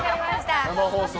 生放送。